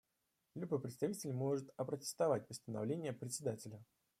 Любой представитель может опротестовать постановление Председателя.